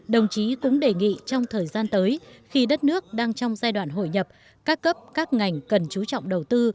đồng chí cũng đề nghị trong thời gian tới khi đất nước đang trong giai đoạn hội nhập các cấp các ngành cần chú trọng đầu tư